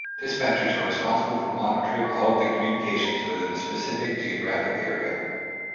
Dispatchers are responsible for monitoring all of the communications within a specific geographic area.